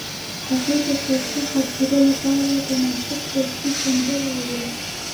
هغې د ښایسته خاطرو لپاره د نازک لرګی سندره ویله.